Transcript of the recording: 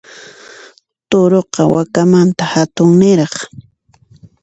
Turuqa, wakamanta hatunniraq.